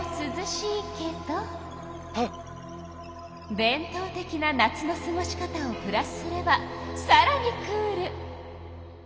伝とう的な夏のすごし方をプラスすればさらにクール！